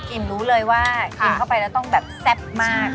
รู้เลยว่ากินเข้าไปแล้วต้องแบบแซ่บมาก